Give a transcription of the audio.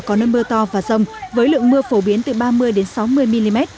có nơi mưa to và rông với lượng mưa phổ biến từ ba mươi sáu mươi mm